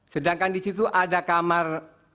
sedangkan di situ ada kamar